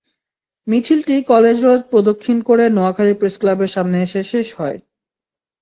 মিছিলটি college road প্রদক্ষিণ করে নোয়াখালী প্রেসক্লাবের সামনে এসে শেষ হয়।